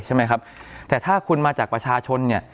ใช่ไหมครับแต่ถ้าคุณมาจากประชาชนเนี่ย